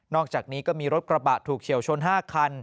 อกจากนี้ก็มีรถกระบะถูกเฉียวชน๕คัน